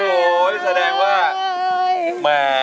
โอ้ยแสดงว่า